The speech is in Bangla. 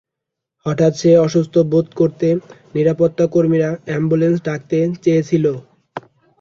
হঠাৎ সে অসুস্থ বোধ করলে নিরাপত্তাকর্মীরা অ্যাম্বুলেন্স ডাকতে চেয়েছিল।